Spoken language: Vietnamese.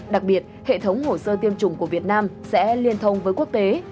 đặc biệt hệ thống hồ sơ tiêm chủng của việt nam sẽ liên thông với quốc tế